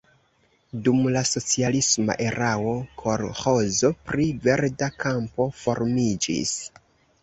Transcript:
Dum la socialisma erao kolĥozo pri Verda Kampo formiĝis.